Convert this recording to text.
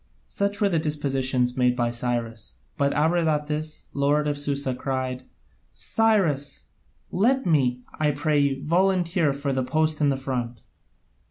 Such were the dispositions made by Cyrus; but Abradatas, the lord of Susa, cried: "Cyrus, let me, I pray you, volunteer for the post in front."